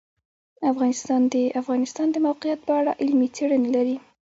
افغانستان د د افغانستان د موقعیت په اړه علمي څېړنې لري.